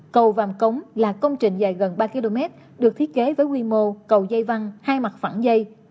cầu vàm cống là công trình dài gần ba km được thiết kế với quy mô cầu dây văn hai mặt phẳng dây